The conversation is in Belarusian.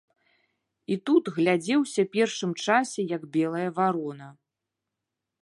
І тут глядзеўся першым часе як белая варона.